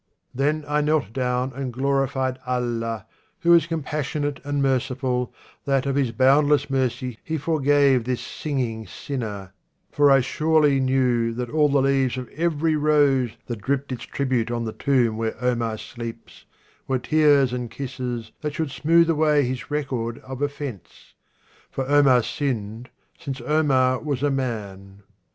Then I knelt down and glorified Allah, Who is compassionate and merciful, That of his boundless mercy he forgave This singing sinner ; for I surely knew That all the leaves of every rose that dripped Its tribute on the tomb where Omar sleeps, Were tears and kisses that should smooth away His record of offence ; for Omar sinned, Since Omar was a man.